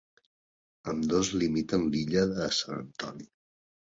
Ambdós limiten l'illa de Sant Antoni.